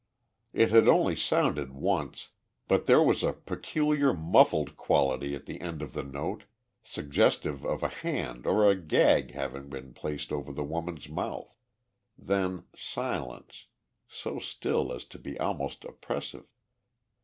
It had only sounded once, but there was a peculiar muffled quality at the end of the note, suggestive of a hand or a gag having been placed over the woman's mouth. Then silence, so still as to be almost oppressive.